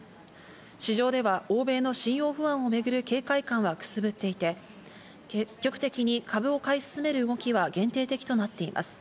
市場では欧米の信用不安を巡る警戒感はくすぶっていて、積極的に株を買い進める動きは限定的となっています。